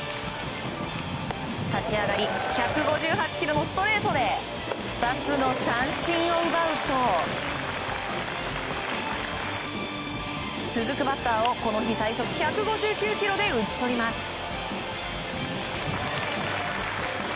立ち上がり１５８キロのストレートで２つの三振を奪うと続くバッターを、この日最速１５９キロで打ち取ります。